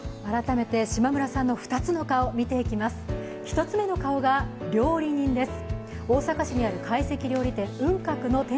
改めて、島村さんの２つの顔、見ていきます。